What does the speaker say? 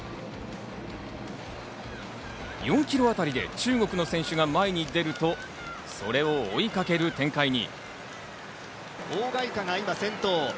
４ｋｍあたりで中国の選手が前に出ると、それを追いかける展開に。